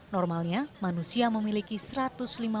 normalnya manusia tidak bisa mengalami trombositopenia purpura